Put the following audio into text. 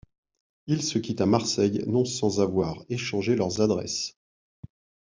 Ils se quittent à Marseille, non sans avoir échangé leurs adresses.